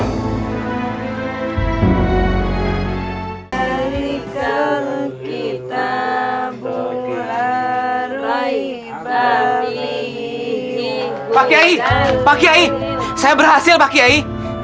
pak kiai pak kiai saya berhasil pak kiai